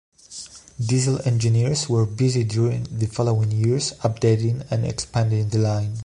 Diesel engineers were busy during the following years updating and expanding the line.